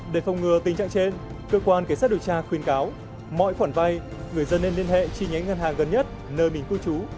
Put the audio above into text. để phòng ngừa tình trạng trên cơ quan cảnh sát điều tra khuyên cáo mọi khoản vai người dân nên liên hệ chi nhánh ngân hàng gần nhất nơi mình cư trú